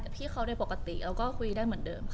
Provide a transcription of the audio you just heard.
พี่เขาโดยปกติเราก็คุยได้เหมือนเดิมค่ะ